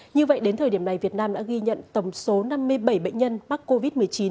như vậy đến thời điểm này việt nam đã ghi nhận tổng số năm mươi bảy bệnh nhân mắc covid một mươi chín